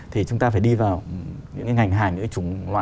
thì chúng ta phải đi vào những ngành hành